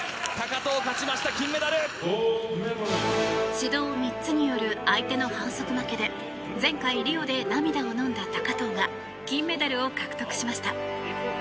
指導３つによる相手の反則負けで前回リオで涙をのんだ高藤が金メダルを獲得しました。